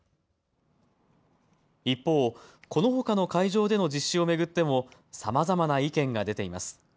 一方、このほかの会場での実施を巡っても、さまざまな意見が出ています。